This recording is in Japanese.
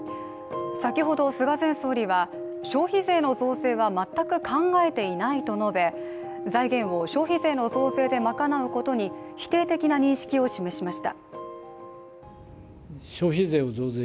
先ほど菅前総理は、消費税の増税は全く考えていないと述べ財源を消費税の増税で賄うことに否定的な認識を示しました。